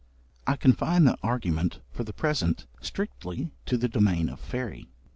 I confine the argument, for the present, strictly to the domain of faerie.